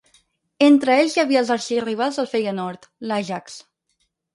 Entre ells hi havia els arxirivals del Feyenoord, l'Ajax.